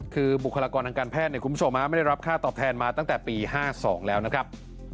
คือบุคลากรทางการแพทย์คุณผู้ชมไม่ได้รับค่าตอบแทนมาตั้งแต่ปี๕๒แล้วนะครับ